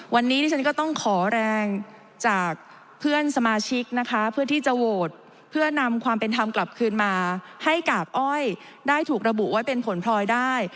วันนี้ดิฉันก็ต้องขอแรงจากเพื่อนสมาชิกนะคะเพื่อที่จะโหวตเพื่อนำความเป็นธรรมกลับคืนมาให้กากอ้อยได้ถูกระบุไว้เป็นผลพลอยได้